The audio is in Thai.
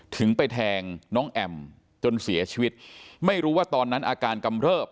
ถึงไปแทงน้องแอมจนเสียชีวิตไม่รู้ว่าตอนนั้นอาการกำเริบ